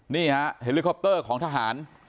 นี่ฮะเฮลิคอปเตอร์ของทหาร